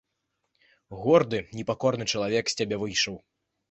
Горды, непакорны чалавек з цябе выйшаў!